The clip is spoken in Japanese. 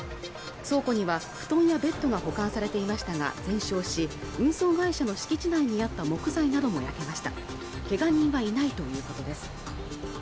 そこには布団やベッドが保管されていましたが全焼し運送会社の敷地内にあった木材なども焼けましたけが人はいないということです